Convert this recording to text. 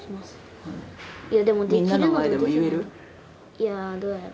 いやどやろ。